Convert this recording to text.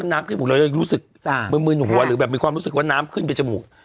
มันน้ำขึ้นจมูกเรารู้สึกเหมือนมืดหัวหรือแบบมีความรู้สึกว่าน้ำขึ้นไปจมูก